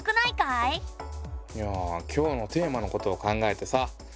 いやぁ今日のテーマのことを考えてさ。